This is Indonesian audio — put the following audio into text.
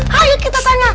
hayuk kita tanya